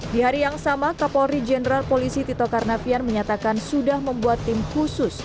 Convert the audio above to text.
di hari yang sama kapolri jenderal polisi tito karnavian menyatakan sudah membuat tim khusus